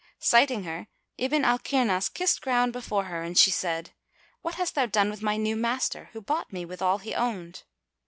Sighting her Ibn al Kirnas kissed ground before her and she said, "What hast thou done with my new master, who bought me with all he owned?"